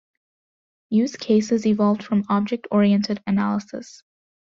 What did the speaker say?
Use cases evolved from object-oriented analysis.